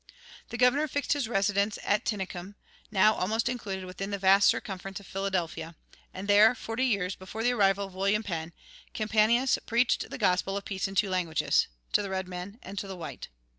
The governor fixed his residence at Tinicum, now almost included within the vast circumference of Philadelphia, and there, forty years before the arrival of William Penn, Campanius preached the gospel of peace in two languages, to the red men and to the white.